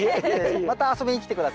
また遊びに来て下さい。